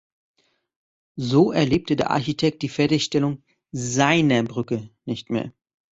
So erlebte der Architekt die Fertigstellung „seiner Brücke“ nicht mehr.